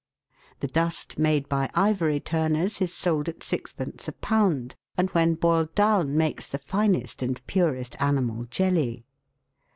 The dust made by ivory turners is sold at sixpence a pound, and when boiled down makes the finest and purest animal jelly.